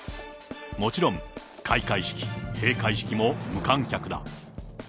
もちろん開会式、閉会式も無観客だ。